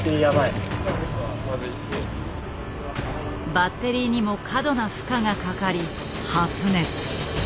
バッテリーにも過度な負荷がかかり発熱。